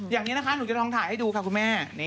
อย่างนี้นะคะหนูจะลองถ่ายให้ดูค่ะคุณแม่